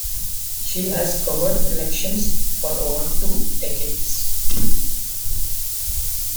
She has covered elections for over two decades.